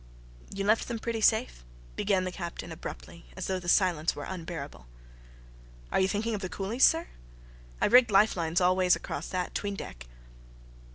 "You left them pretty safe?" began the Captain abruptly, as though the silence were unbearable. "Are you thinking of the coolies, sir? I rigged lifelines all ways across that 'tween deck."